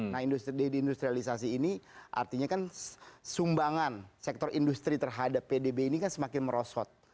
nah deindustrialisasi ini artinya kan sumbangan sektor industri terhadap pdb ini kan semakin merosot